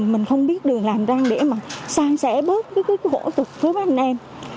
mình không biết được làm ra để mà sang sẻ bớt cái hỗ trực với anh em